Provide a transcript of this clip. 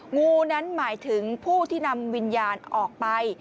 งูนั้นหมายถึงผู้ที่นำวิญญาณออกไป